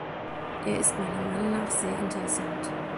Er ist meiner Meinung nach sehr interessant.